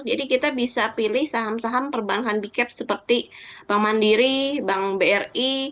jadi kita bisa pilih saham saham perbankan di caps seperti bank mandiri bank bri